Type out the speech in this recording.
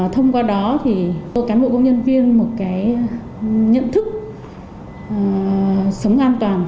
thông qua đó tôi cán bộ công nhân viên một nhận thức sống an toàn